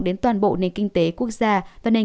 đến toàn bộ nền kinh tế quốc gia và nền